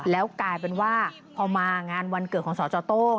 แล้วกลายเป็นว่าพอมางานวันเกิดของสจโต้